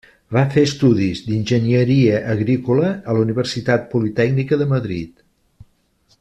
Va fer estudis d'Enginyeria Agrícola a la Universitat Politècnica de Madrid.